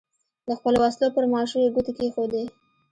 د خپلو وسلو پر ماشو یې ګوتې کېښودې.